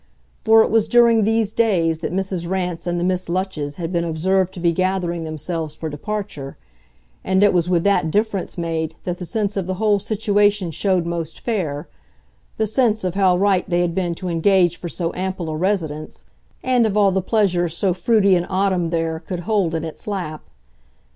For it was during these days that Mrs. Rance and the Miss Lutches had been observed to be gathering themselves for departure, and it was with that difference made that the sense of the whole situation showed most fair the sense of how right they had been to engage for so ample a residence, and of all the pleasure so fruity an autumn there could hold in its lap.